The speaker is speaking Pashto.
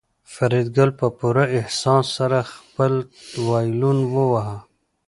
فریدګل په پوره احساس سره خپل وایلون واهه